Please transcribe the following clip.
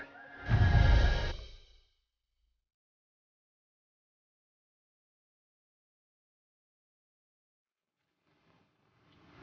kamu aja pergi sendiri